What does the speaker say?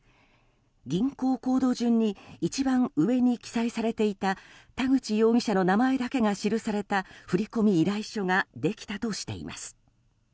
銀行コード順に一番上に記載されていた田口容疑者の名前だけが記された振込依頼書ができたとしています。